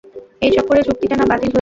এই চক্করে চুক্তিটা না বাতিল হয়ে যায়।